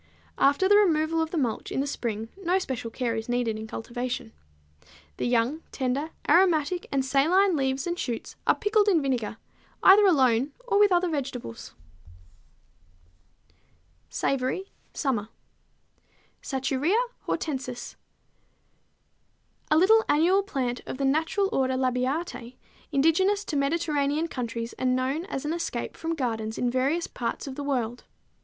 After the removal of the mulch in the spring no special care is needed in cultivation. The young, tender, aromatic and saline leaves and shoots are pickled in vinegar, either alone or with other vegetables. [Illustration: Dainty Summer Savory] =Savory, Summer= (Satureia hortensis, Linn.), a little annual plant of the natural order Labiatæ indigenous to Mediterranean countries and known as an escape from gardens in various parts of the world.